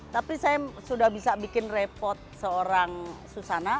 tapi saya sudah bisa bikin repot seorang susana